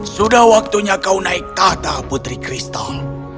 sudah waktunya kau naik tahta putri kristal